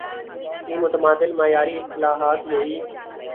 کی متبادل معیاری اصطلاحات یہی